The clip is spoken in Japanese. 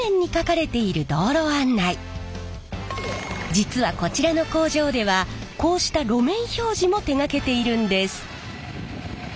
実はこちらの工場ではこうした路面標示も手がけているんです。